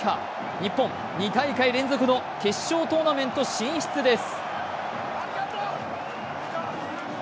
日本、２大会連続の決勝トーナメント進出です。